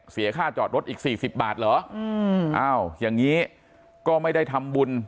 เสียค่าจอดรถอีกสี่สิบบาทเหรออืมอ้าวอย่างนี้ก็ไม่ได้ทำบุญ